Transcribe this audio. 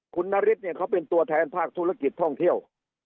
คุณนฤทธิเนี่ยเขาเป็นตัวแทนภาคธุรกิจท่องเที่ยว